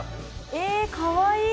えかわいい。